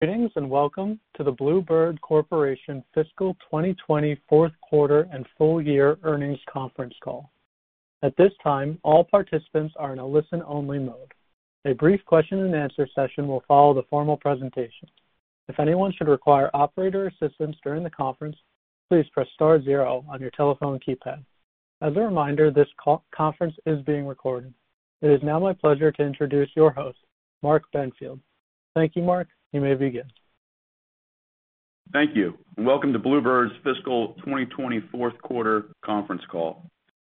It is now my pleasure to introduce your host, Mark Benfield. Thank you, Mark. You may begin. Thank you, and welcome to Blue Bird's Fiscal 2024 quarter conference call.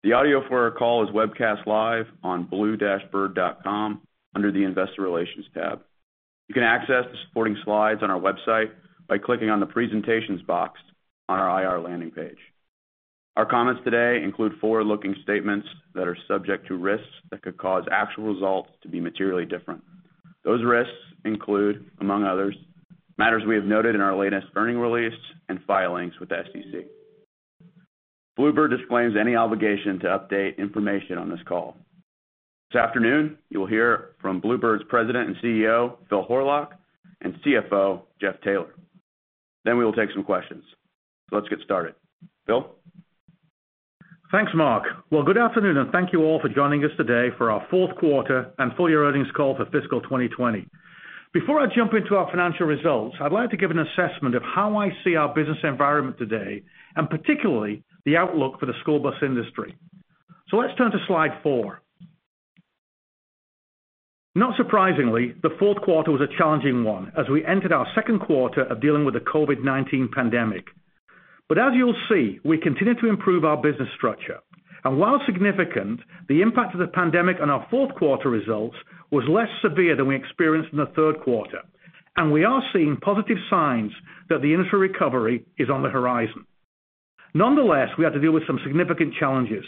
The audio for our call is webcast live on blue-bird.com under the investor relations tab. You can access the supporting slides on our website by clicking on the presentations box on our IR landing page. Our comments today include forward-looking statements that are subject to risks that could cause actual results to be materially different. Those risks include, among others, matters we have noted in our latest earning release and filings with the SEC. Blue Bird disclaims any obligation to update information on this call. This afternoon, you will hear from Blue Bird's President and CEO, Phil Horlock, and CFO, Jeff Taylor. We will take some questions. Let's get started. Phil? Thanks, Mark. Well, good afternoon, thank you all for joining us today for our fourth quarter and full year earnings call for fiscal 2020. Before I jump into our financial results, I'd like to give an assessment of how I see our business environment today, particularly, the outlook for the school bus industry. Let's turn to slide four. Not surprisingly, the fourth quarter was a challenging one as we entered our second quarter of dealing with the COVID-19 pandemic. As you'll see, we continue to improve our business structure. While significant, the impact of the pandemic on our fourth quarter results was less severe than we experienced in the third quarter, we are seeing positive signs that the industry recovery is on the horizon. Nonetheless, we had to deal with some significant challenges.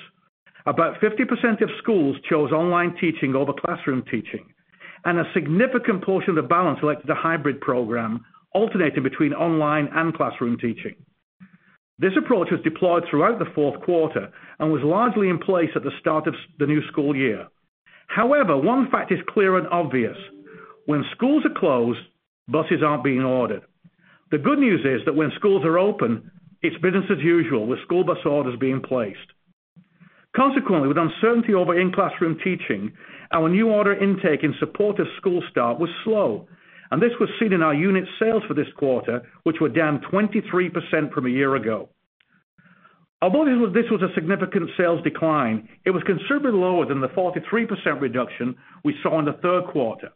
About 50% of schools chose online teaching over classroom teaching, and a significant portion of the balance elected a hybrid program alternating between online and classroom teaching. This approach was deployed throughout the fourth quarter and was largely in place at the start of the new school year. One fact is clear and obvious. When schools are closed, buses aren't being ordered. The good news is that when schools are open, it's business as usual with school bus orders being placed. With uncertainty over in-classroom teaching, our new order intake in support of school start was slow, and this was seen in our unit sales for this quarter, which were down 23% from a year ago. This was a significant sales decline, it was considerably lower than the 43% reduction we saw in the third quarter.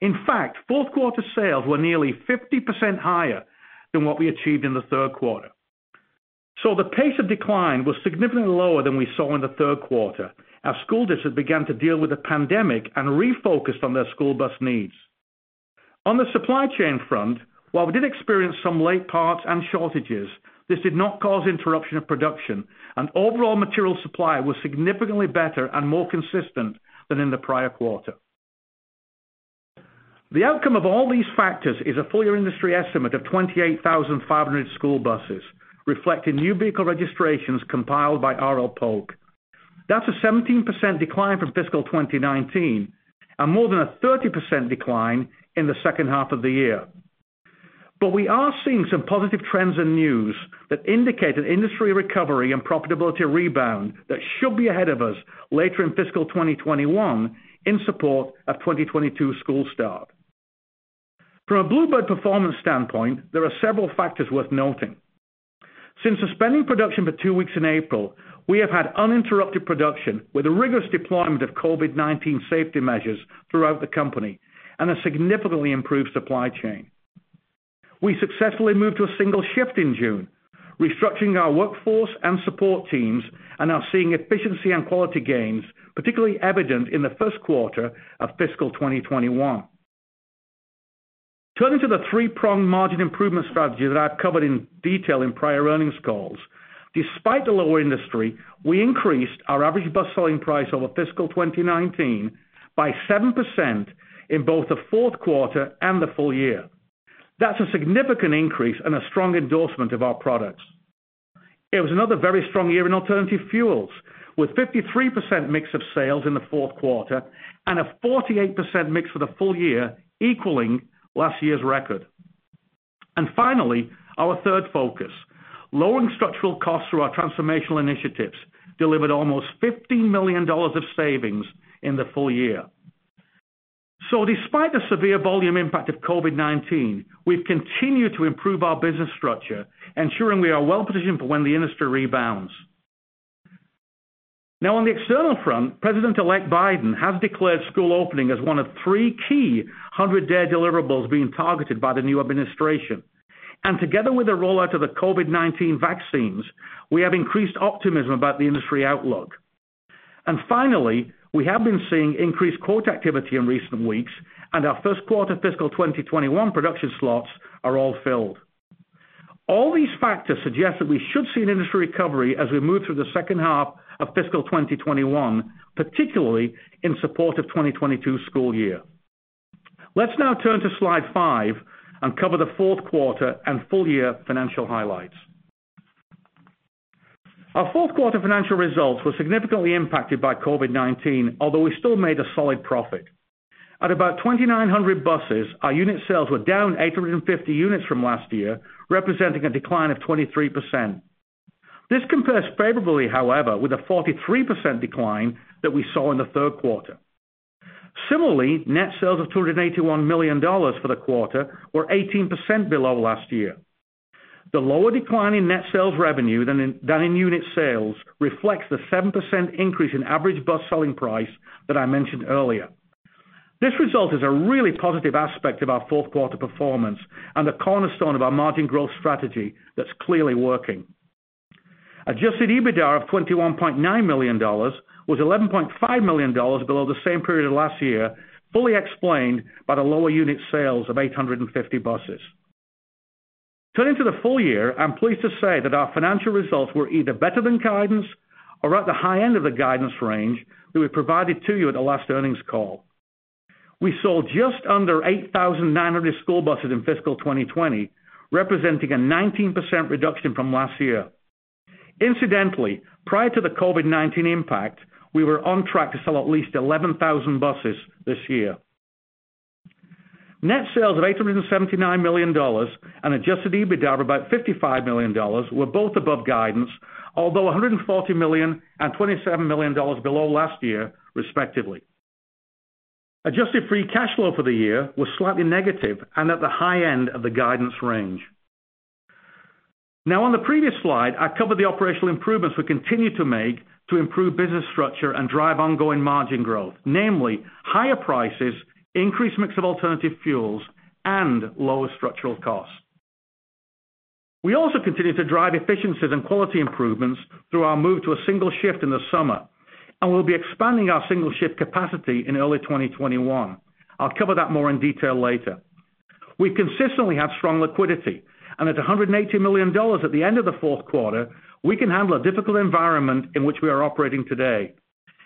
In fact, fourth quarter sales were nearly 50% higher than what we achieved in the third quarter. The pace of decline was significantly lower than we saw in the third quarter as school districts began to deal with the pandemic and refocused on their school bus needs. On the supply chain front, while we did experience some late parts and shortages, this did not cause interruption of production, and overall material supply was significantly better and more consistent than in the prior quarter. The outcome of all these factors is a full year industry estimate of 28,500 school buses, reflecting new vehicle registrations compiled by R. L. Polk. That's a 17% decline from fiscal 2019, and more than a 30% decline in the second half of the year. We are seeing some positive trends and news that indicate an industry recovery and profitability rebound that should be ahead of us later in fiscal 2021 in support of 2022 school start. From a Blue Bird performance standpoint, there are several factors worth noting. Since suspending production for two weeks in April, we have had uninterrupted production with a rigorous deployment of COVID-19 safety measures throughout the company and a significantly improved supply chain. We successfully moved to a single shift in June, restructuring our workforce and support teams and are seeing efficiency and quality gains, particularly evident in the first quarter of fiscal 2021. Turning to the three-pronged margin improvement strategy that I've covered in detail in prior earnings calls, despite the lower industry, we increased our average bus selling price over fiscal 2019 by 7% in both the fourth quarter and the full year. That's a significant increase and a strong endorsement of our products. It was another very strong year in alternative fuels, with 53% mix of sales in the fourth quarter and a 48% mix for the full year, equaling last year's record. Finally, our third focus, lowering structural costs through our transformational initiatives, delivered almost $15 million of savings in the full year. Despite the severe volume impact of COVID-19, we've continued to improve our business structure, ensuring we are well-positioned for when the industry rebounds. Now on the external front, President-elect Biden has declared school opening as one of three key 100-day deliverables being targeted by the new administration. Together with the rollout of the COVID-19 vaccines, we have increased optimism about the industry outlook. Finally, we have been seeing increased quote activity in recent weeks, and our first quarter fiscal 2021 production slots are all filled. All these factors suggest that we should see an industry recovery as we move through the second half of fiscal 2021, particularly in support of 2022 school year. Let's now turn to slide five and cover the fourth quarter and full year financial highlights. Our fourth quarter financial results were significantly impacted by COVID-19, although we still made a solid profit. At about 2,900 buses, our unit sales were down 850 units from last year, representing a decline of 23%. This compares favorably, however, with the 43% decline that we saw in the third quarter. Similarly, net sales of $281 million for the quarter were 18% below last year. The lower decline in net sales revenue than in unit sales reflects the 7% increase in average bus selling price that I mentioned earlier. This result is a really positive aspect of our fourth quarter performance and a cornerstone of our margin growth strategy that's clearly working. Adjusted EBITDA of $21.9 million was $11.5 million below the same period last year, fully explained by the lower unit sales of 850 buses. Turning to the full year, I'm pleased to say that our financial results were either better than guidance or at the high end of the guidance range that we provided to you at the last earnings call. We sold just under 8,900 school buses in fiscal 2020, representing a 19% reduction from last year. Incidentally, prior to the COVID-19 impact, we were on track to sell at least 11,000 buses this year. Net sales of $879 million and adjusted EBITDA of about $55 million were both above guidance, although $140 million and $27 million below last year, respectively. Adjusted free cash flow for the year was slightly negative and at the high end of the guidance range. Now, on the previous slide, I covered the operational improvements we continue to make to improve business structure and drive ongoing margin growth, namely higher prices, increased mix of alternative fuels, and lower structural costs. We also continue to drive efficiencies and quality improvements through our move to a single shift in the summer, and we'll be expanding our single shift capacity in early 2021. I'll cover that more in detail later. We consistently have strong liquidity, and at $180 million at the end of the fourth quarter, we can handle a difficult environment in which we are operating today,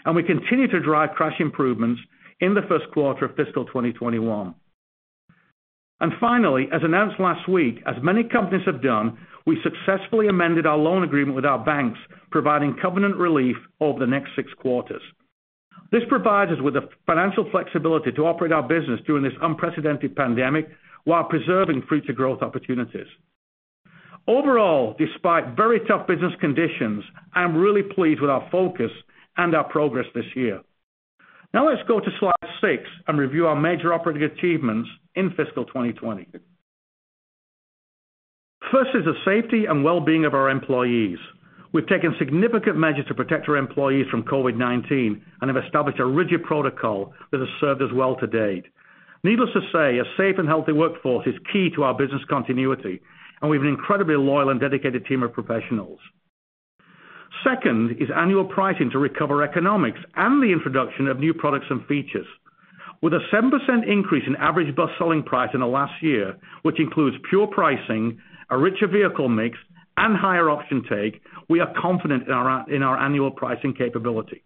and we continue to drive cash improvements in the first quarter of fiscal 2021. Finally, as announced last week, as many companies have done, we successfully amended our loan agreement with our banks, providing covenant relief over the next six quarters. This provides us with the financial flexibility to operate our business during this unprecedented pandemic while preserving future growth opportunities. Overall, despite very tough business conditions, I am really pleased with our focus and our progress this year. Now let's go to slide six and review our major operating achievements in fiscal 2020. First is the safety and well-being of our employees. We've taken significant measures to protect our employees from COVID-19 and have established a rigid protocol that has served us well to date. Needless to say, a safe and healthy workforce is key to our business continuity, and we have an incredibly loyal and dedicated team of professionals. Second is annual pricing to recover economics and the introduction of new products and features. With a 7% increase in average bus selling price in the last year, which includes pure pricing, a richer vehicle mix, and higher option take, we are confident in our annual pricing capability.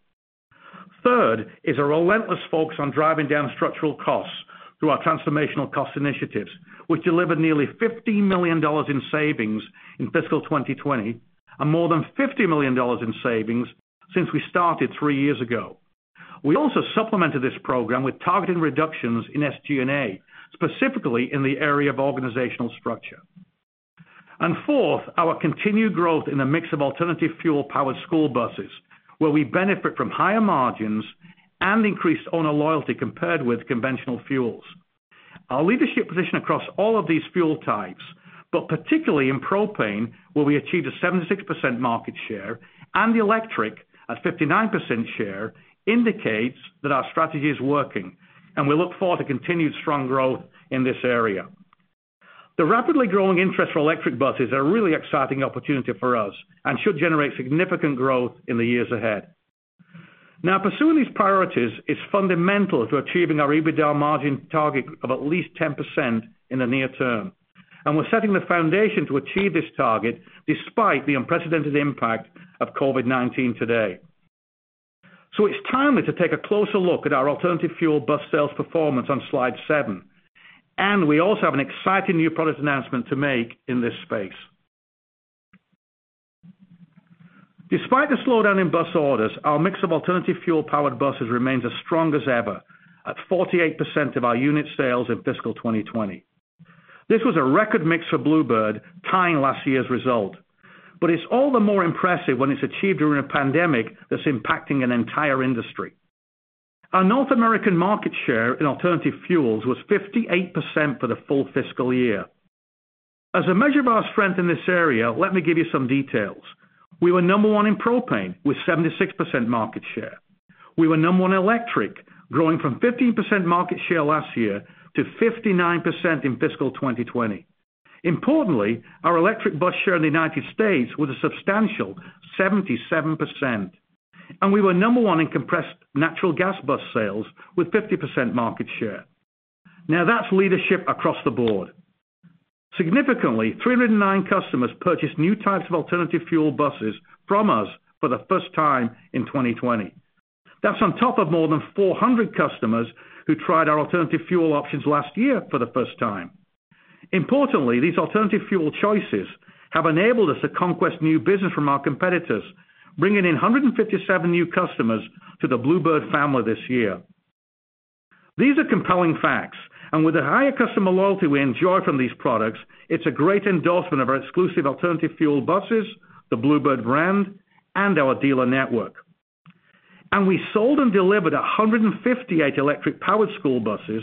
Third is a relentless focus on driving down structural costs through our transformational cost initiatives, which delivered nearly $50 million in savings in fiscal 2020, and more than $50 million in savings since we started three years ago. We also supplemented this program with targeted reductions in SG&A, specifically in the area of organizational structure. Fourth, our continued growth in the mix of alternative fuel-powered school buses, where we benefit from higher margins and increased owner loyalty compared with conventional fuels. Our leadership position across all of these fuel types, but particularly in propane, where we achieved a 76% market share, and electric at 59% share, indicates that our strategy is working, and we look forward to continued strong growth in this area. The rapidly growing interest for electric buses is a really exciting opportunity for us and should generate significant growth in the years ahead. Now, pursuing these priorities is fundamental to achieving our EBITDA margin target of at least 10% in the near term, and we're setting the foundation to achieve this target despite the unprecedented impact of COVID-19 today. It's timely to take a closer look at our alternative fuel bus sales performance on slide seven, and we also have an exciting new product announcement to make in this space. Despite the slowdown in bus orders, our mix of alternative fuel-powered buses remains as strong as ever at 48% of our unit sales in fiscal 2020. This was a record mix for Blue Bird, tying last year's result. It's all the more impressive when it's achieved during a pandemic that's impacting an entire industry. Our North American market share in alternative fuels was 58% for the full fiscal year. As a measure of our strength in this area, let me give you some details. We were number one in propane with 76% market share. We were number one in electric, growing from 15% market share last year to 59% in fiscal 2020. Importantly, our electric bus share in the U.S. was a substantial 77%. We were number 1 in compressed natural gas bus sales with 50% market share. Now, that's leadership across the board. Significantly, 309 customers purchased new types of alternative fuel buses from us for the first time in 2020. That's on top of more than 400 customers who tried our alternative fuel options last year for the first time. Importantly, these alternative fuel choices have enabled us to conquest new business from our competitors, bringing in 157 new customers to the Blue Bird family this year. These are compelling facts, and with the higher customer loyalty we enjoy from these products, it's a great endorsement of our exclusive alternative fuel buses, the Blue Bird brand, and our dealer network. We sold and delivered 158 electric-powered school buses,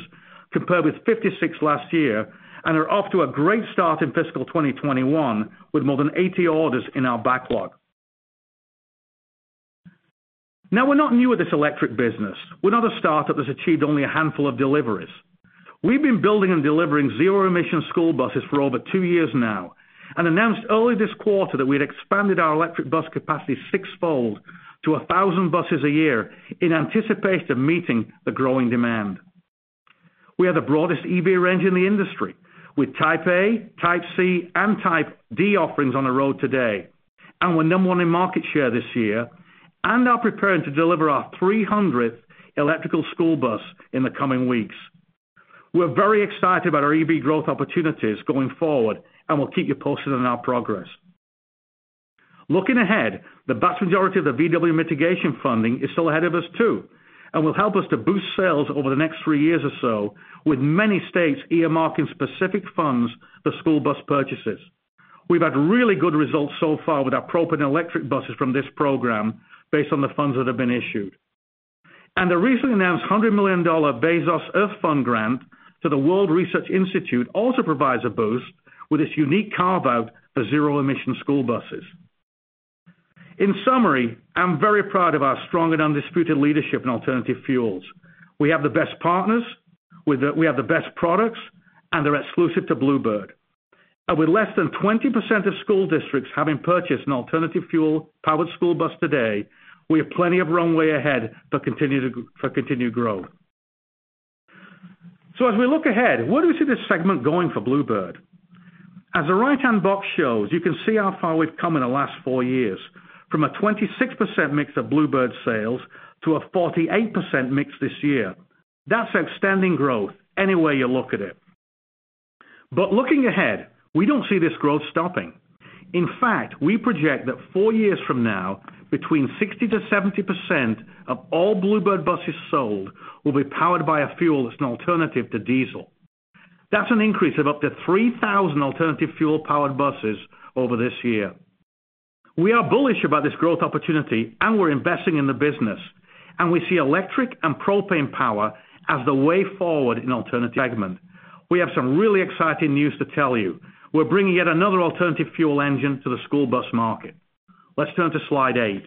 compared with 56 last year, and are off to a great start in fiscal 2021, with more than 80 orders in our backlog. We're not new at this electric business. We're not a startup that's achieved only a handful of deliveries. We've been building and delivering zero-emission school buses for over two years now, and announced only this quarter that we'd expanded our electric bus capacity sixfold to 1,000 buses a year in anticipation of meeting the growing demand. We have the broadest EV range in the industry, with Type A, Type C, and Type D offerings on the road today. We're number 1 in market share this year and are preparing to deliver our 300th electrical school bus in the coming weeks. We're very excited about our EV growth opportunities going forward, and we'll keep you posted on our progress. Looking ahead, the vast majority of the Volkswagen mitigation funding is still ahead of us, too, and will help us to boost sales over the next three years or so with many states earmarking specific funds for school bus purchases. We've had really good results so far with our propane electric buses from this program based on the funds that have been issued. The recently announced $100 million Bezos Earth Fund grant to the World Resources Institute also provides a boost with its unique carve-out for zero-emission school buses. In summary, I'm very proud of our strong and undisputed leadership in alternative fuels. We have the best partners, we have the best products, and they're exclusive to Blue Bird. With less than 20% of school districts having purchased an alternative fuel-powered school bus today, we have plenty of runway ahead for continued growth. As we look ahead, where do we see this segment going for Blue Bird? As the right-hand box shows, you can see how far we've come in the last four years, from a 26% mix of Blue Bird sales to a 48% mix this year. That's outstanding growth any way you look at it. Looking ahead, we don't see this growth stopping. In fact, we project that four years from now, between 60%-70% of all Blue Bird buses sold will be powered by a fuel that's an alternative to diesel. That's an increase of up to 3,000 alternative fuel-powered buses over this year. We are bullish about this growth opportunity, and we're investing in the business, and we see electric and propane power as the way forward in alternative segment. We have some really exciting news to tell you. We're bringing yet another alternative fuel engine to the school bus market. Let's turn to slide eight.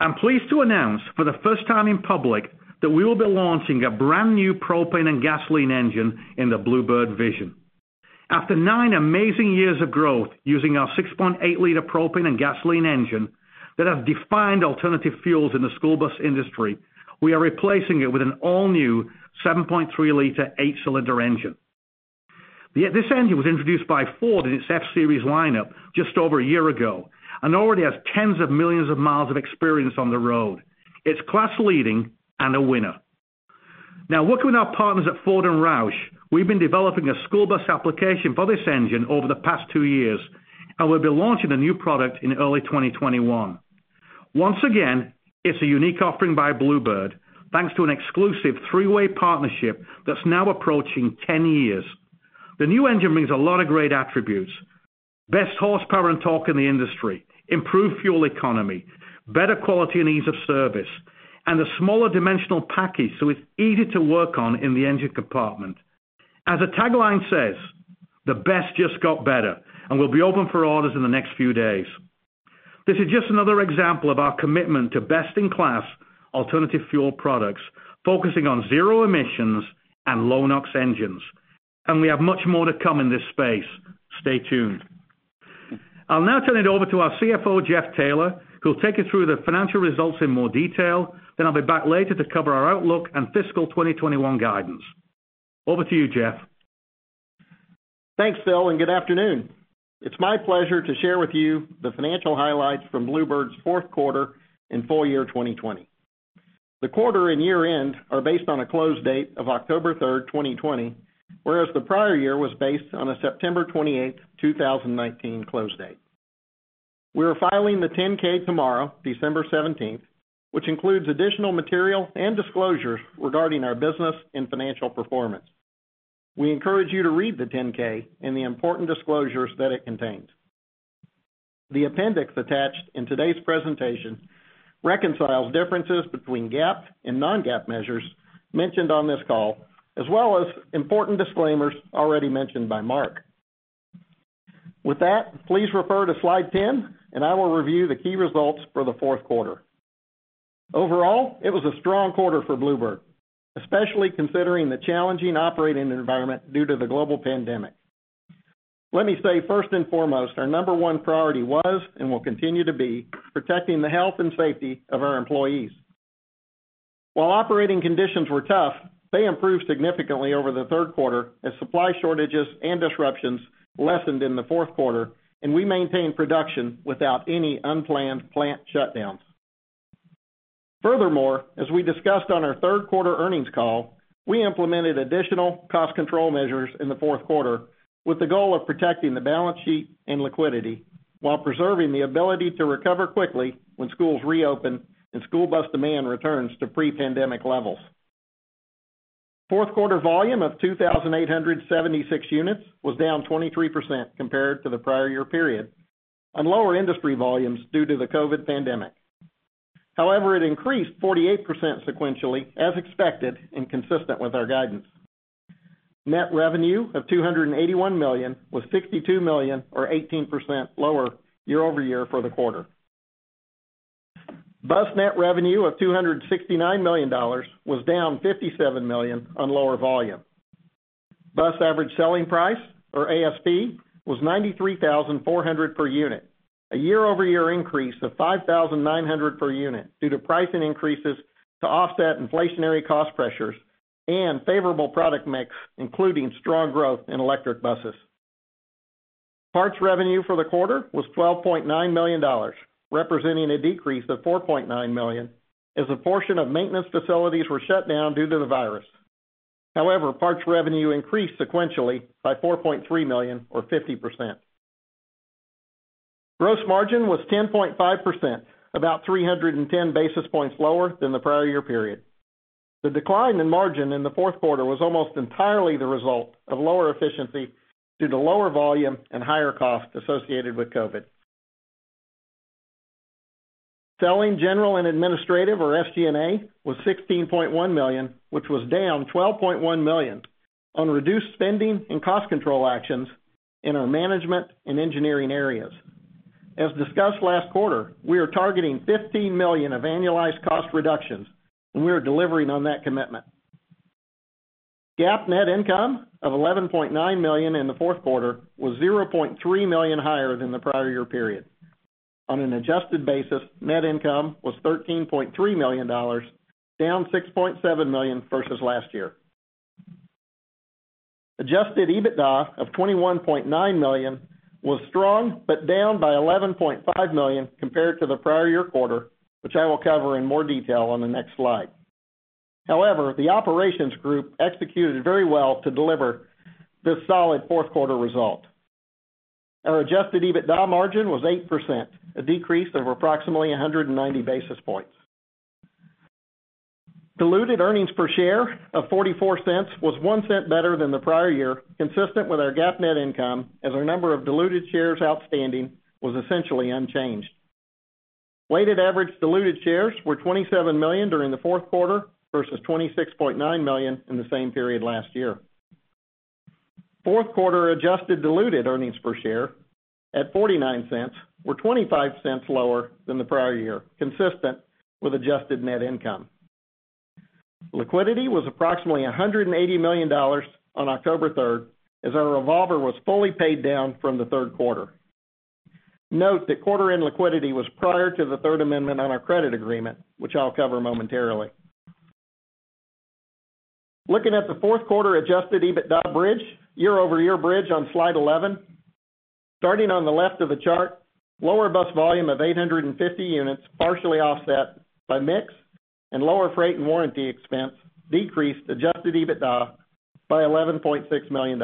I'm pleased to announce for the first time in public that we will be launching a brand-new propane and gasoline engine in the Blue Bird Vision. After nine amazing years of growth using our 6.8 L propane and gasoline engine that have defined alternative fuels in the school bus industry, we are replacing it with an all-new 7.3 L eight-cylinder engine. This engine was introduced by Ford in its F-series lineup just over a year ago, and already has tens of millions of miles of experience on the road. It's class-leading and a winner. Now, working with our partners at Ford and Roush, we've been developing a school bus application for this engine over the past two years, and we'll be launching the new product in early 2021. Once again, it's a unique offering by Blue Bird, thanks to an exclusive three-way partnership that's now approaching 10 years. The new engine brings a lot of great attributes, best horsepower and torque in the industry, improved fuel economy, better quality and ease of service, and a smaller dimensional package, so it's easy to work on in the engine compartment. As the tagline says, "The best just got better," and will be open for orders in the next few days. This is just another example of our commitment to best-in-class alternative fuel products, focusing on zero emissions and low-NOx engines. We have much more to come in this space. Stay tuned. I'll now turn it over to our CFO, Jeff Taylor, who'll take you through the financial results in more detail. I'll be back later to cover our outlook and fiscal 2021 guidance. Over to you, Jeff. Thanks, Phil, and good afternoon. It's my pleasure to share with you the financial highlights from Blue Bird's fourth quarter and full year 2020. The quarter and year-end are based on a close date of October 3rd, 2020, whereas the prior year was based on a September 28th, 2019, close date. We are filing the 10-K tomorrow, December 17th, which includes additional material and disclosures regarding our business and financial performance. We encourage you to read the 10-K and the important disclosures that it contains. The appendix attached in today's presentation reconciles differences between GAAP and non-GAAP measures mentioned on this call, as well as important disclaimers already mentioned by Mark. With that, please refer to slide 10, and I will review the key results for the fourth quarter. Overall, it was a strong quarter for Blue Bird, especially considering the challenging operating environment due to the global pandemic. Let me say first and foremost, our number one priority was and will continue to be protecting the health and safety of our employees. While operating conditions were tough, they improved significantly over the third quarter as supply shortages and disruptions lessened in the fourth quarter, and we maintained production without any unplanned plant shutdowns. Furthermore, as we discussed on our third quarter earnings call, we implemented additional cost control measures in the fourth quarter with the goal of protecting the balance sheet and liquidity while preserving the ability to recover quickly when schools reopen and school bus demand returns to pre-pandemic levels. Fourth quarter volume of 2,876 units was down 23% compared to the prior year period, on lower industry volumes due to the COVID-19 pandemic. It increased 48% sequentially as expected and consistent with our guidance. Net revenue of $281 million was $62 million or 18% lower year-over-year for the quarter. Bus net revenue of $269 million was down $57 million on lower volume. Bus average selling price or ASP was $93,400 per unit, a year-over-year increase of $5,900 per unit due to pricing increases to offset inflationary cost pressures and favorable product mix, including strong growth in electric buses. Parts revenue for the quarter was $12.9 million, representing a decrease of $4.9 million as a portion of maintenance facilities were shut down due to the virus. Parts revenue increased sequentially by $4.3 million or 50%. Gross margin was 10.5%, about 310 basis points lower than the prior year period. The decline in margin in the fourth quarter was almost entirely the result of lower efficiency due to lower volume and higher costs associated with COVID-19. Selling, general, and administrative or SG&A was $16.1 million, which was down $12.1 million on reduced spending and cost control actions in our management and engineering areas. As discussed last quarter, we are targeting $15 million of annualized cost reductions, and we are delivering on that commitment. GAAP net income of $11.9 million in the fourth quarter was $0.3 million higher than the prior year period. On an adjusted basis, net income was $13.3 million, down $6.7 million versus last year. Adjusted EBITDA of $21.9 million was strong, but down by $11.5 million compared to the prior year quarter, which I will cover in more detail on the next slide. The operations group executed very well to deliver this solid fourth quarter result. Our adjusted EBITDA margin was 8%, a decrease of approximately 190 basis points. Diluted earnings per share of $0.44 was $0.01 better than the prior year, consistent with our GAAP net income, as our number of diluted shares outstanding was essentially unchanged. Weighted average diluted shares were 27 million during the fourth quarter versus 26.9 million in the same period last year. Fourth quarter adjusted diluted earnings per share at $0.49 were $0.25 lower than the prior year, consistent with adjusted net income. Liquidity was approximately $180 million on October 3rd, as our revolver was fully paid down from the third quarter. Note that quarter-end liquidity was prior to the third amendment on our credit agreement, which I'll cover momentarily. Looking at the fourth quarter adjusted EBITDA bridge, year-over-year bridge on slide 11. Starting on the left of the chart, lower bus volume of 850 units, partially offset by mix and lower freight and warranty expense, decreased adjusted EBITDA by $11.6 million.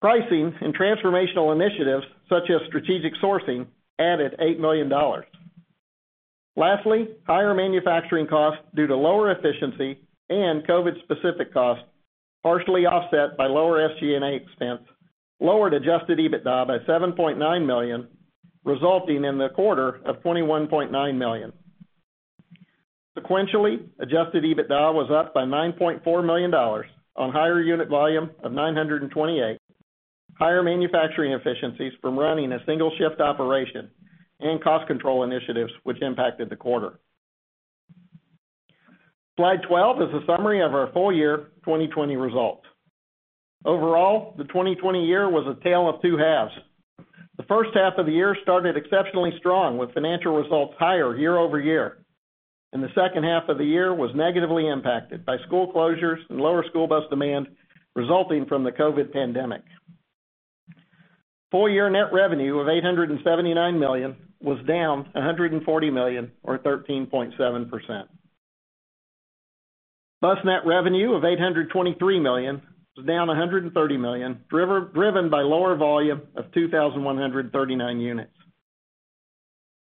Pricing and transformational initiatives such as strategic sourcing added $8 million. Lastly, higher manufacturing costs due to lower efficiency and COVID-specific costs, partially offset by lower SG&A expense, lowered adjusted EBITDA by $7.9 million, resulting in the quarter of $21.9 million. Sequentially, adjusted EBITDA was up by $9.4 million on higher unit volume of 928, higher manufacturing efficiencies from running a single shift operation, and cost control initiatives which impacted the quarter. Slide 12 is a summary of our full year 2020 results. Overall, the 2020 year was a tale of two halves. The first half of the year started exceptionally strong with financial results higher year-over-year. The second half of the year was negatively impacted by school closures and lower school bus demand resulting from the COVID pandemic. Full year net revenue of $879 million was down $140 million or 13.7%. Bus net revenue of $823 million was down $130 million, driven by lower volume of 2,139 units.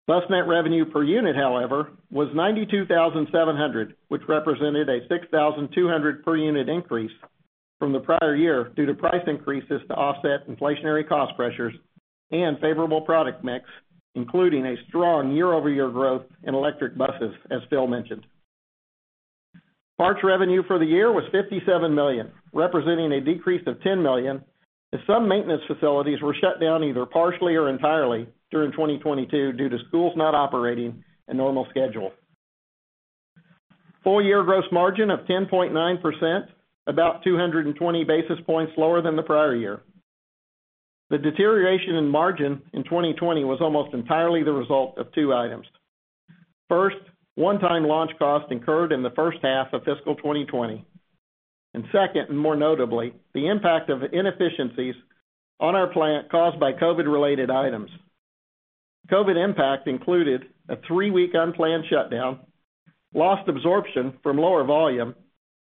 Bus net revenue per unit, however, was $92,700, which represented a $6,200 per unit increase from the prior year due to price increases to offset inflationary cost pressures and favorable product mix, including a strong year-over-year growth in electric buses, as Phil mentioned. Parts revenue for the year was $57 million, representing a decrease of $10 million, as some maintenance facilities were shut down either partially or entirely during 2022 due to schools not operating a normal schedule. Full year gross margin of 10.9%, about 220 basis points lower than the prior year. The deterioration in margin in 2020 was almost entirely the result of two items. First, one-time launch costs incurred in the first half of fiscal 2020. Second, and more notably, the impact of inefficiencies on our plant caused by COVID-related items. COVID impact included a three-week unplanned shutdown, lost absorption from lower volume,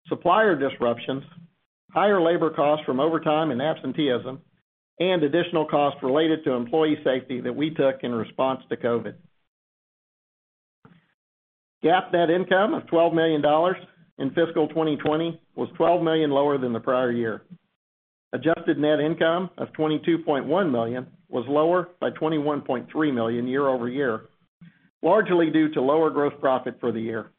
supplier disruptions, higher labor costs from overtime and absenteeism, and additional costs related to employee safety that we took in response to COVID. GAAP net income of $12 million in fiscal 2020 was $12 million lower than the prior year. Adjusted net income of $22.1 million was lower by $21.3 million year-over-year, largely due to lower gross profit for the year.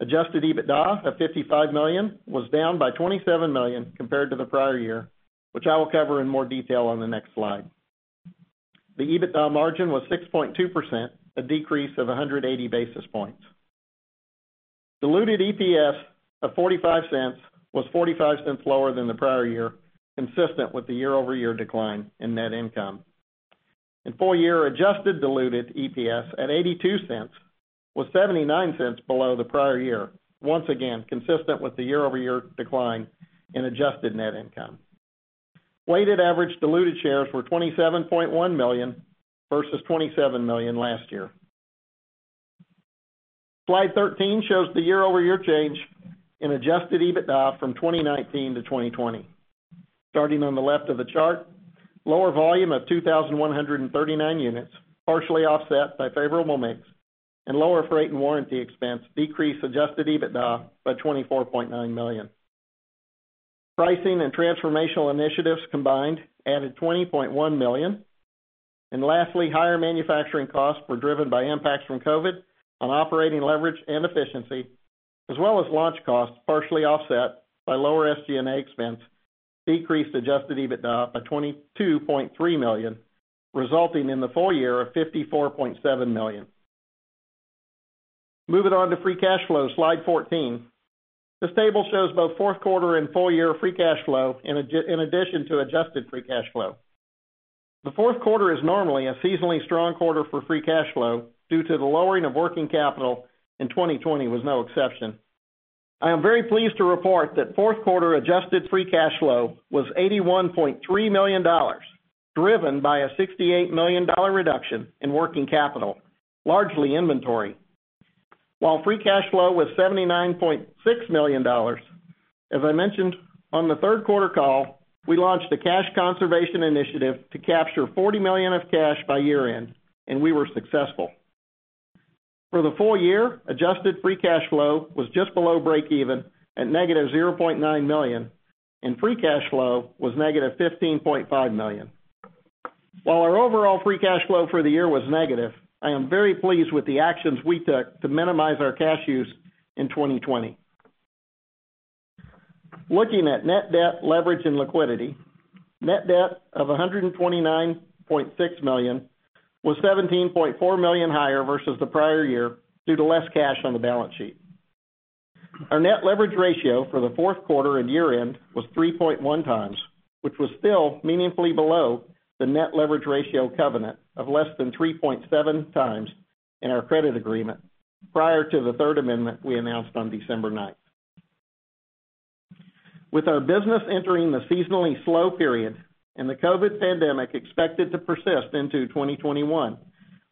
Adjusted EBITDA of $55 million was down by $27 million compared to the prior year, which I will cover in more detail on the next slide. The EBITDA margin was 6.2%, a decrease of 180 basis points. Diluted EPS of $0.45 was $0.45 lower than the prior year, consistent with the year-over-year decline in net income. In full year, adjusted diluted EPS at $0.82 was $0.79 below the prior year, once again, consistent with the year-over-year decline in adjusted net income. Weighted average diluted shares were 27.1 million versus 27 million last year. Slide 13 shows the year-over-year change in adjusted EBITDA from 2019 to 2020. Starting on the left of the chart, lower volume of 2,139 units, partially offset by favorable mix and lower freight and warranty expense decreased adjusted EBITDA by $24.9 million. Pricing and transformational initiatives combined added $20.1 million. Lastly, higher manufacturing costs were driven by impacts from COVID on operating leverage and efficiency, as well as launch costs partially offset by lower SG&A expense, decreased adjusted EBITDA by $22.3 million, resulting in the full year of $54.7 million. Moving on to free cash flow, slide 14. This table shows both fourth quarter and full year free cash flow in addition to adjusted free cash flow. The fourth quarter is normally a seasonally strong quarter for free cash flow due to the lowering of working capital, and 2020 was no exception. I am very pleased to report that fourth quarter adjusted free cash flow was $81.3 million, driven by a $68 million reduction in working capital, largely inventory. While free cash flow was $79.6 million, as I mentioned on the third quarter call, we launched a cash conservation initiative to capture $40 million of cash by year-end, and we were successful. For the full year, adjusted free cash flow was just below break even at -$0.9 million, and free cash flow was -$15.5 million. While our overall free cash flow for the year was negative, I am very pleased with the actions we took to minimize our cash use in 2020. Looking at net debt leverage and liquidity, net debt of $129.6 million was $17.4 million higher versus the prior year due to less cash on the balance sheet. Our net leverage ratio for the fourth quarter and year-end was 3.1x, which was still meaningfully below the net leverage ratio covenant of less than 3.7 times in our credit agreement prior to the third amendment we announced on December 9th. With our business entering the seasonally slow period and the COVID-19 pandemic expected to persist into 2021,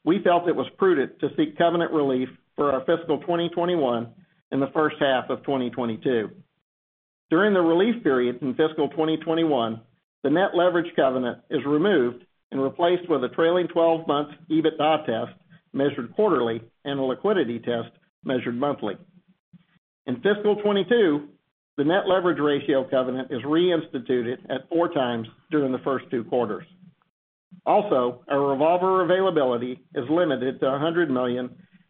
we felt it was prudent to seek covenant relief for our fiscal 2021 and the first half of 2022. During the relief period in fiscal 2021, the net leverage covenant is removed and replaced with a trailing 12-month EBITDA test measured quarterly and a liquidity test measured monthly. In fiscal 2022, the net leverage ratio covenant is reinstituted at four times during the first two quarters. Also, our revolver availability is limited to $100 million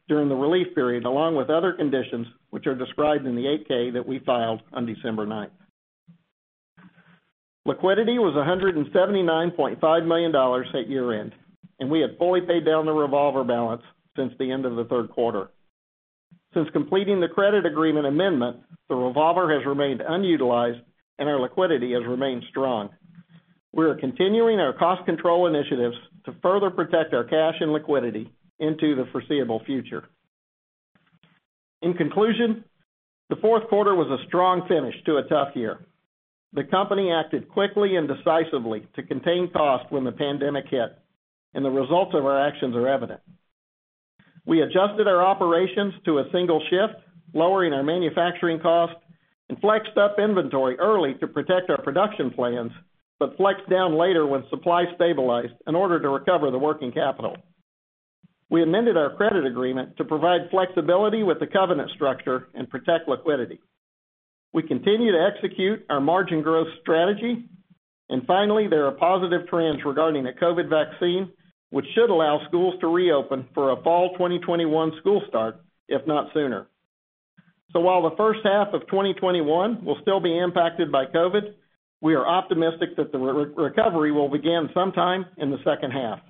during the relief period, along with other conditions, which are described in the 8-K that we filed on December 9th. Liquidity was $179.5 million at year-end, and we have fully paid down the revolver balance since the end of the third quarter. Since completing the credit agreement amendment, the revolver has remained unutilized and our liquidity has remained strong. We are continuing our cost control initiatives to further protect our cash and liquidity into the foreseeable future. In conclusion, the fourth quarter was a strong finish to a tough year. The company acted quickly and decisively to contain costs when the pandemic hit, and the results of our actions are evident. We adjusted our operations to a single shift, lowering our manufacturing cost, and flexed up inventory early to protect our production plans, but flexed down later when supply stabilized in order to recover the working capital. We amended our credit agreement to provide flexibility with the covenant structure and protect liquidity. We continue to execute our margin growth strategy. Finally, there are positive trends regarding a COVID vaccine, which should allow schools to reopen for a fall 2021 school start, if not sooner. While the first half of 2021 will still be impacted by COVID, we are optimistic that the recovery will begin sometime in the second half.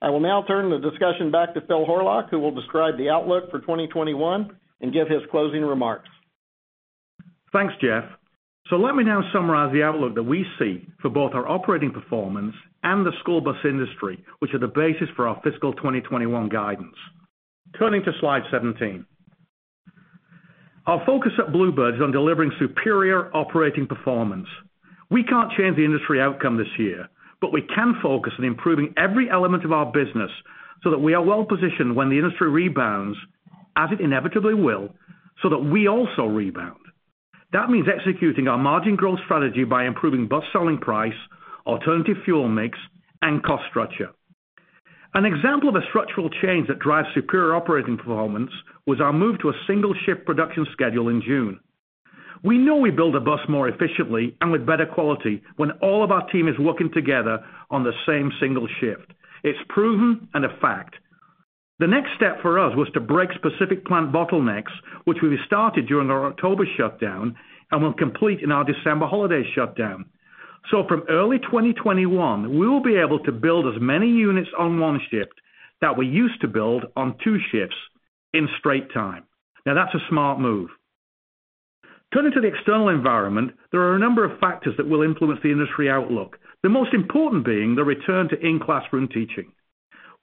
I will now turn the discussion back to Phil Horlock, who will describe the outlook for 2021 and give his closing remarks. Thanks, Jeff. Let me now summarize the outlook that we see for both our operating performance and the school bus industry, which are the basis for our fiscal 2021 guidance. Turning to slide 17. Our focus at Blue Bird is on delivering superior operating performance. We can't change the industry outcome this year, but we can focus on improving every element of our business so that we are well-positioned when the industry rebounds, as it inevitably will, so that we also rebound. That means executing our margin growth strategy by improving bus selling price, alternative fuel mix, and cost structure. An example of a structural change that drives superior operating performance was our move to a single shift production schedule in June. We know we build a bus more efficiently and with better quality when all of our team is working together on the same single shift. It's proven and a fact. The next step for us was to break specific plant bottlenecks, which we started during our October shutdown and will complete in our December holiday shutdown. From early 2021, we will be able to build as many units on one shift that we used to build on two shifts in straight time. That's a smart move. Turning to the external environment, there are a number of factors that will influence the industry outlook, the most important being the return to in-classroom teaching.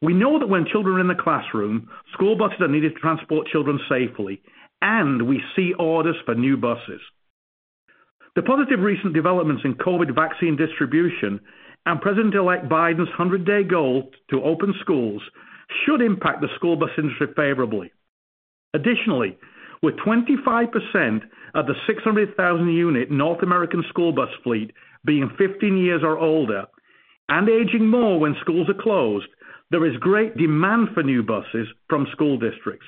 We know that when children are in the classroom, school buses are needed to transport children safely, and we see orders for new buses. The positive recent developments in COVID-19 vaccine distribution and President-elect Biden's 100-day goal to open schools should impact the school bus industry favorably. Additionally, with 25% of the 600,000-unit North American school bus fleet being 15 years or older, and aging more when schools are closed, there is great demand for new buses from school districts.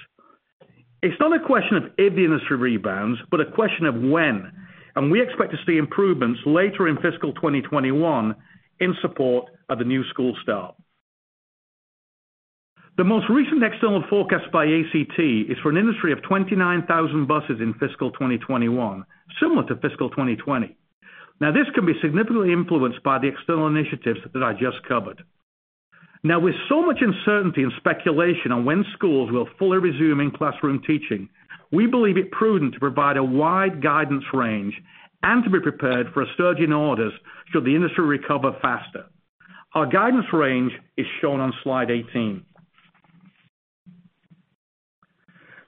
It's not a question of if the industry rebounds, but a question of when. We expect to see improvements later in fiscal 2021 in support of the new school start. The most recent external forecast by ACT is for an industry of 29,000 buses in fiscal 2021, similar to fiscal 2020. Now, this can be significantly influenced by the external initiatives that I just covered. Now, with so much uncertainty and speculation on when schools will fully resume in-classroom teaching, we believe it prudent to provide a wide guidance range and to be prepared for a surge in orders should the industry recover faster. Our guidance range is shown on slide 18.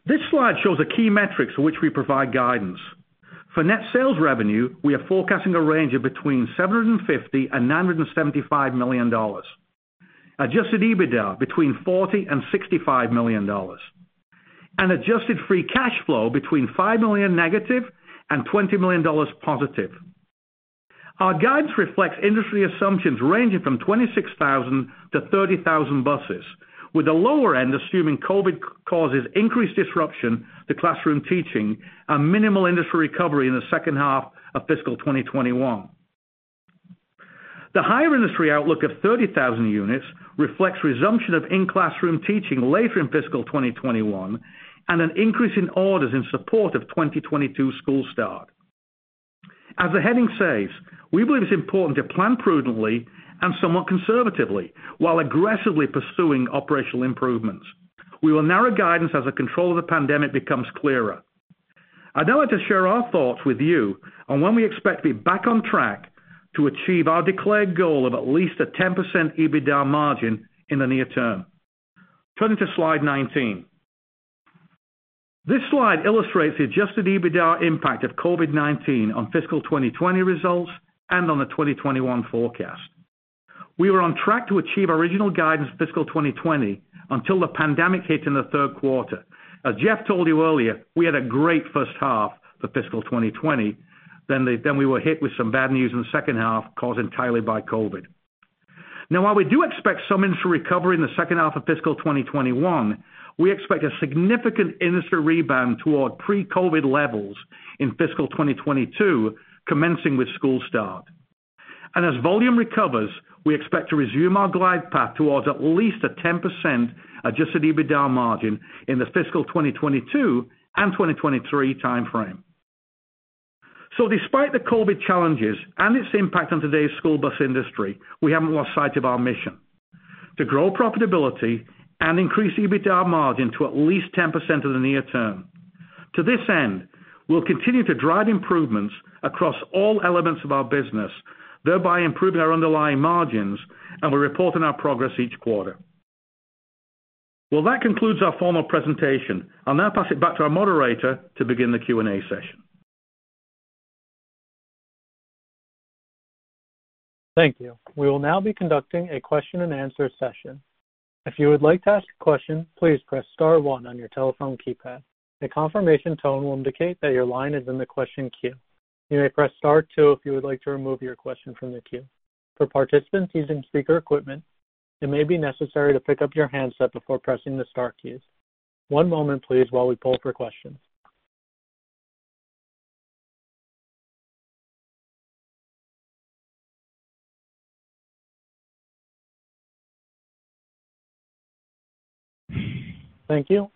This slide shows the key metrics for which we provide guidance. For net sales revenue, we are forecasting a range of between $750 and $975 million. Adjusted EBITDA, between $40 and $65 million. Adjusted free cash flow between $5 million negative and $20 million positive. Our guidance reflects industry assumptions ranging from 26,000-30,000 buses, with the lower end assuming COVID-19 causes increased disruption to classroom teaching and minimal industry recovery in the second half of fiscal 2021. The higher industry outlook of 30,000 units reflects resumption of in-classroom teaching later in fiscal 2021 and an increase in orders in support of 2022 school start. As the heading says, we believe it's important to plan prudently and somewhat conservatively while aggressively pursuing operational improvements. We will narrow guidance as the control of the pandemic becomes clearer. I'd now like to share our thoughts with you on when we expect to be back on track to achieve our declared goal of at least a 10% EBITDA margin in the near term. Turning to slide 19. This slide illustrates the adjusted EBITDA impact of COVID-19 on fiscal 2020 results and on the 2021 forecast. We were on track to achieve our original guidance fiscal 2020 until the pandemic hit in the third quarter. As Jeff told you earlier, we had a great first half for fiscal 2020. We were hit with some bad news in the second half, caused entirely by COVID. While we do expect some industry recovery in the second half of fiscal 2021, we expect a significant industry rebound toward pre-COVID levels in fiscal 2022, commencing with school start. As volume recovers, we expect to resume our glide path towards at least a 10% adjusted EBITDA margin in the fiscal 2022 and 2023 timeframe. Despite the COVID challenges and its impact on today's school bus industry, we haven't lost sight of our mission, to grow profitability and increase EBITDA margin to at least 10% in the near term. To this end, we'll continue to drive improvements across all elements of our business, thereby improving our underlying margins, and we're reporting our progress each quarter. Well, that concludes our formal presentation. I'll now pass it back to our moderator to begin the Q&A session.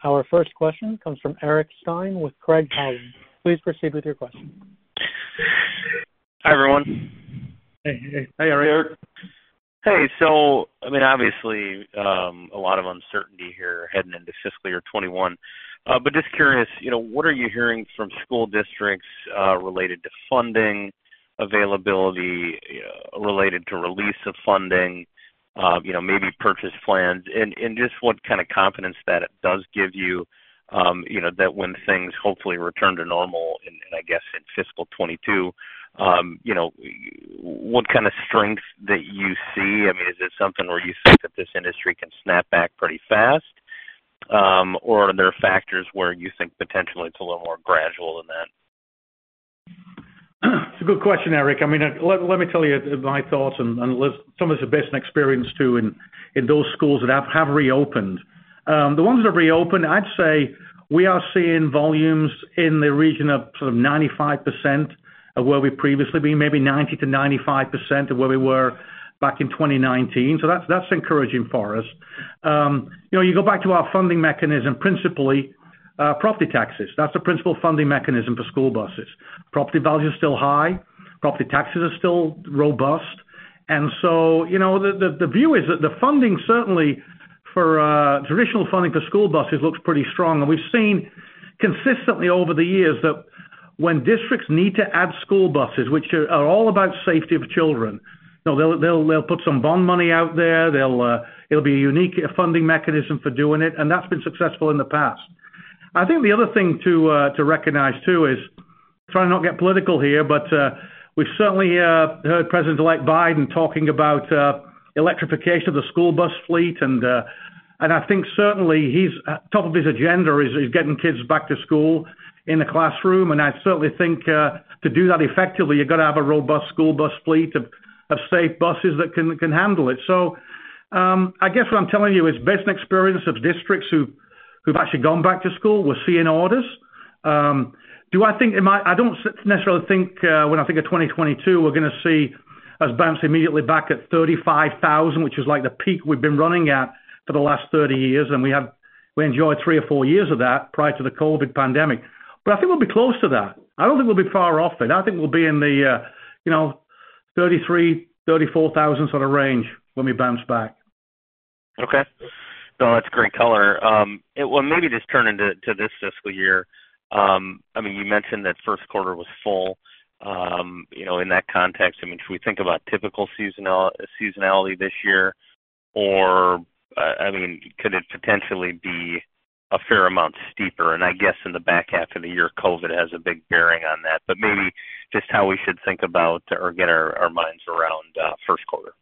Our first question comes from Eric Stine with Craig-Hallum. Please proceed with your question. Hi, everyone. Hey. Hi, Eric. I mean, obviously, a lot of uncertainty here heading into fiscal year 2021. Just curious, what are you hearing from school districts related to funding availability, related to release of funding, maybe purchase plans, and just what kind of confidence that it does give you, that when things hopefully return to normal in, I guess in fiscal 2022, what kind of strength that you see? I mean, is it something where you think that this industry can snap back pretty fast? Or are there factors where you think potentially it's a little more gradual than that? It's a good question, Eric. Let me tell you my thoughts and some of it's based on experience too, in those schools that have reopened. The ones that have reopened, I'd say we are seeing volumes in the region of sort of 95% of where we've previously been, maybe 90%-95% of where we were back in 2019. That's encouraging for us. You go back to our funding mechanism, principally, property taxes. That's the principal funding mechanism for school buses. Property value's still high, property taxes are still robust. The view is that the funding certainly for traditional funding for school buses looks pretty strong. We've seen consistently over the years that when districts need to add school buses, which are all about safety of children, they'll put some bond money out there. It'll be a unique funding mechanism for doing it, and that's been successful in the past. I think the other thing to recognize too is, try to not get political here, but we've certainly heard President-elect Biden talking about electrification of the school bus fleet. I think certainly his top of his agenda is getting kids back to school in the classroom, and I certainly think to do that effectively, you've got to have a robust school bus fleet of safe buses that can handle it. I guess what I'm telling you is based on experience of districts who've actually gone back to school, we're seeing orders. I don't necessarily think when I think of 2022, we're going to see us bounce immediately back at 35,000, which is like the peak we've been running at for the last 30 years, and we enjoyed three or four years of that prior to the COVID pandemic. I think we'll be close to that. I don't think we'll be far off it. I think we'll be in the 33,000, 34,000 sort of range when we bounce back. Okay. No, that's great color. Maybe just turn into this fiscal year? You mentioned that first quarter was full. In that context, should we think about typical seasonality this year, or could it potentially be a fair amount steeper? I guess in the back half of the year, COVID has a big bearing on that. Maybe just how we should think about or get our minds around first quarter?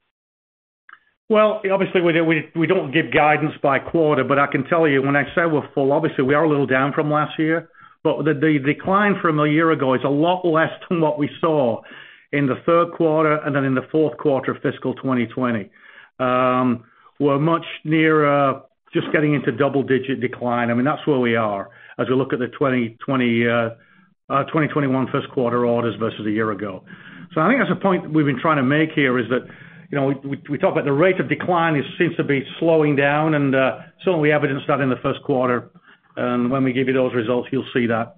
Obviously we don't give guidance by quarter. I can tell you when I say we're full, obviously we are a little down from last year, but the decline from a year ago is a lot less than what we saw in the third quarter and then in the fourth quarter of fiscal 2020. We're much nearer just getting into double-digit decline. That's where we are as we look at the 2021 first quarter orders versus a year ago. I think that's a point we've been trying to make here is that, we talk about the rate of decline seems to be slowing down, and certainly evidence that in the first quarter. When we give you those results, you'll see that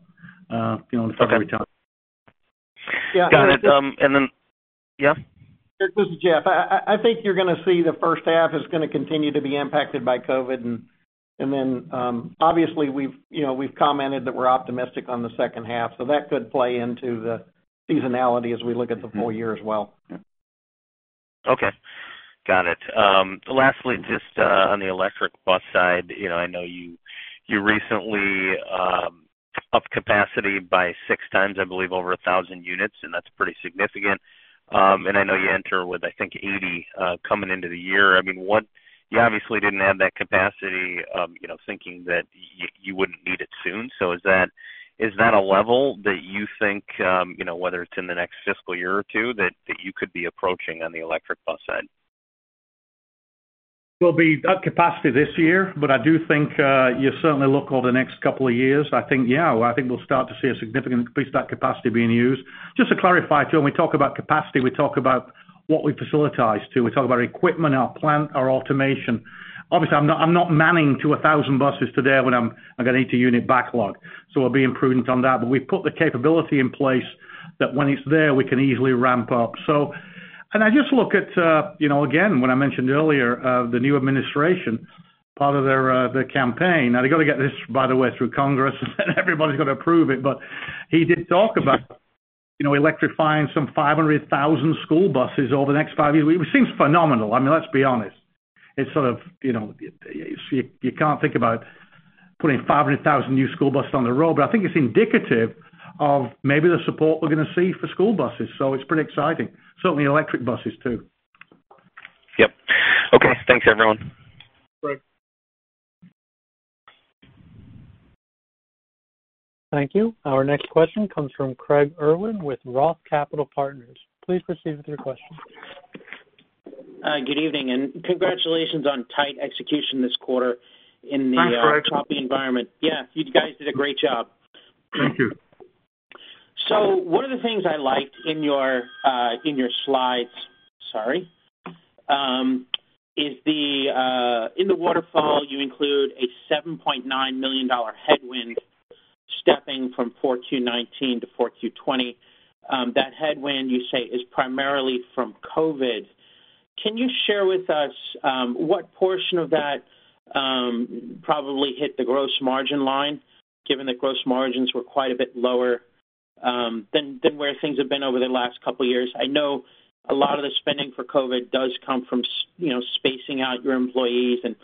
in February time. Okay. Got it. Yeah? This is Jeff. I think you're going to see the first half is going to continue to be impacted by COVID, and then obviously we've commented that we're optimistic on the second half, so that could play into the seasonality as we look at the full year as well. Okay. Got it. Lastly, just on the electric bus side, I know you recently upped capacity by six times, I believe, over 1,000 units, and that's pretty significant. I know you enter with, I think, 80 coming into the year. You obviously didn't have that capacity thinking that you wouldn't need it soon. Is that a level that you think, whether it's in the next fiscal year or two, that you could be approaching on the electric bus side? We'll be at capacity this year, but I do think you certainly look over the next couple of years, I think we'll start to see a significant increase of that capacity being used. Just to clarify too, when we talk about capacity, we talk about what we've facilitized too. We talk about our equipment, our plant, our automation. Obviously, I'm not manning to 1,000 buses today when I've got 80-unit backlog, so we'll be imprudent on that. But we've put the capability in place that when it's there, we can easily ramp up. I just look at, again, when I mentioned earlier of the new Administration, part of their campaign. They've got to get this, by the way, through Congress and everybody's got to approve it, but he did talk about electrifying some 500,000 school buses over the next five years, which seems phenomenal. Let's be honest. You can't think about putting 500,000 new school buses on the road, but I think it's indicative of maybe the support we're going to see for school buses, so it's pretty exciting. Certainly electric buses too. Yep. Okay, thanks everyone. Great. Thank you. Our next question comes from Craig Irwin with ROTH Capital Partners. Please proceed with your question. Good evening, congratulations on tight execution this quarter. Thanks, Craig. choppy environment. Yeah, you guys did a great job. Thank you. One of the things I liked in your slides, sorry, is in the waterfall, you include a $7.9 million headwind stepping from Q4 2019 to Q4 2020. That headwind, you say, is primarily from COVID. Can you share with us what portion of that probably hit the gross margin line, given that gross margins were quite a bit lower than where things have been over the last couple of years? I know a lot of the spending for COVID does come from spacing out your employees and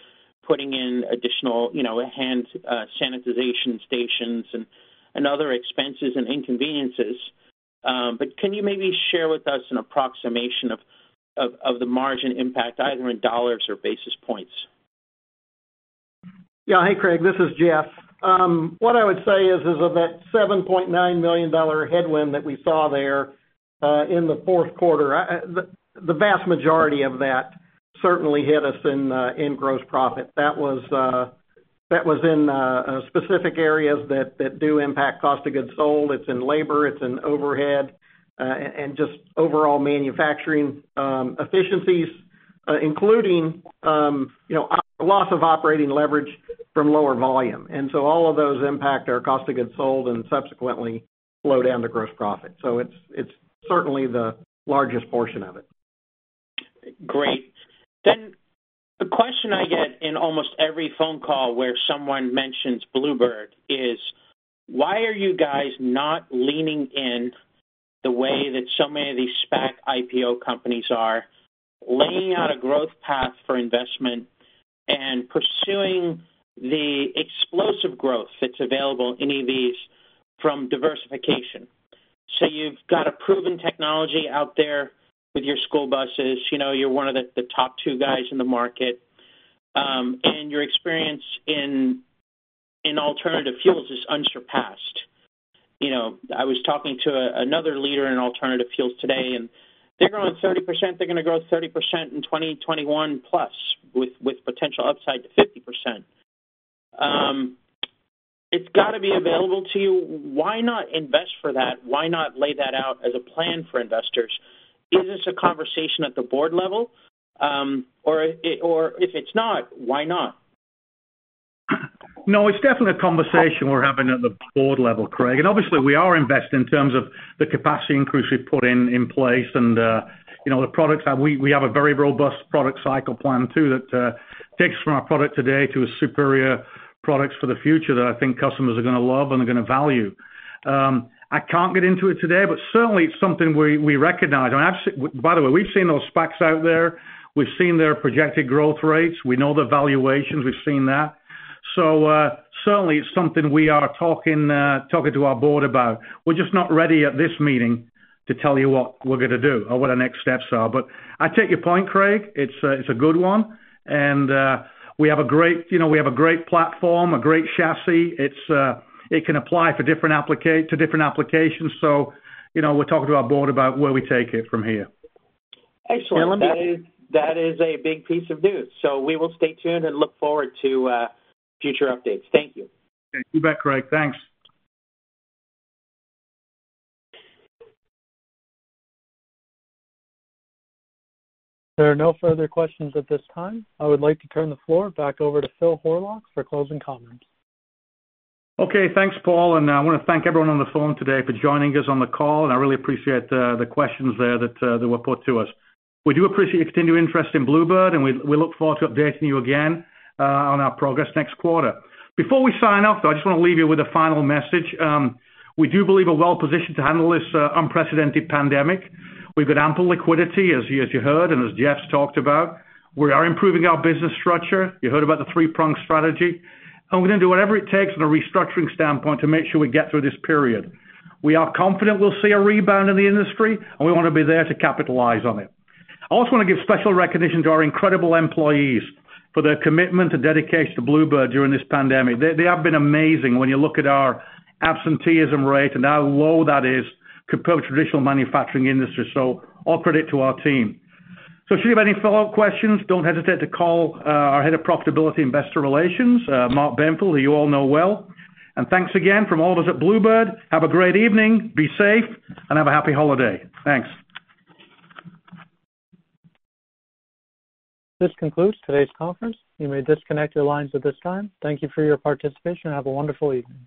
putting in additional hand sanitization stations and other expenses and inconveniences. Can you maybe share with us an approximation of the margin impact, either in dollars or basis points? Yeah. Hey, Craig, this is Jeff. What I would say is of that $7.9 million headwind that we saw there in the fourth quarter, the vast majority of that certainly hit us in gross profit. That was in specific areas that do impact cost of goods sold. It's in labor, it's in overhead, and just overall manufacturing efficiencies, including loss of operating leverage from lower volume. All of those impact our cost of goods sold and subsequently slow down the gross profit. It's certainly the largest portion of it. Great. The question I get in almost every phone call where someone mentions Blue Bird is, why are you guys not leaning in the way that so many of these SPAC IPO companies are, laying out a growth path for investment and pursuing the explosive growth that's available in EVs from diversification? You've got a proven technology out there with your school buses. You're one of the top two guys in the market. Your experience in alternative fuels is unsurpassed. I was talking to another leader in alternative fuels today, and they're growing 30%, they're going to grow 30% in 2021 plus, with potential upside to 50%. It's got to be available to you. Why not invest for that? Why not lay that out as a plan for investors? Is this a conversation at the board level? If it's not, why not? No, it's definitely a conversation we're having at the board level, Craig. Obviously we are investing in terms of the capacity increase we've put in place and the products that We have a very robust product cycle plan too that takes from our product today to superior products for the future that I think customers are going to love and are going to value. I can't get into it today, but certainly it's something we recognize. By the way, we've seen those SPACs out there. We've seen their projected growth rates. We know the valuations. We've seen that. Certainly it's something we are talking to our board about. We're just not ready at this meeting to tell you what we're going to do or what our next steps are. I take your point, Craig. It's a good one. We have a great platform, a great chassis. It can apply to different applications. We're talking to our board about where we take it from here. Excellent. That is a big piece of news. We will stay tuned and look forward to future updates. Thank you. Okay. You bet, Craig. Thanks. There are no further questions at this time. I would like to turn the floor back over to Phil Horlock for closing comments. Okay. Thanks, Paul. I want to thank everyone on the phone today for joining us on the call, and I really appreciate the questions there that were put to us. We do appreciate your continued interest in Blue Bird, and we look forward to updating you again on our progress next quarter. Before we sign off, though, I just want to leave you with a final message. We do believe we're well-positioned to handle this unprecedented pandemic. We've got ample liquidity, as you heard and as Jeff's talked about. We are improving our business structure. You heard about the three-pronged strategy, and we're going to do whatever it takes from a restructuring standpoint to make sure we get through this period. We are confident we'll see a rebound in the industry, and we want to be there to capitalize on it. I also want to give special recognition to our incredible employees for their commitment and dedication to Blue Bird during this pandemic. They have been amazing when you look at our absenteeism rate and how low that is compared with traditional manufacturing industries. All credit to our team. If you have any follow-up questions, don't hesitate to call our Head of Investor Relations, Mark Benfield, who you all know well. Thanks again from all of us at Blue Bird. Have a great evening, be safe, and have a happy holiday. Thanks. This concludes today's conference. You may disconnect your lines at this time. Thank you for your participation and have a wonderful evening.